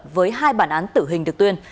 với hai bản án tử hình được tuyên